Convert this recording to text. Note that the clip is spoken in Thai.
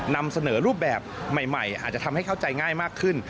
นำเสนอรูปแบบใหม่อาจจะทำให้เข้าใจง่ายมากขึ้น